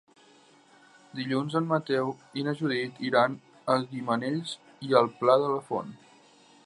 Dilluns en Mateu i na Judit iran a Gimenells i el Pla de la Font.